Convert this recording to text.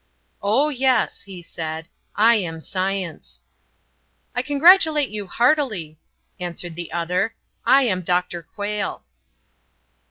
"Oh, yes," he said, "I am science!" "I congratulate you heartily," answered the other, "I am Doctor Quayle."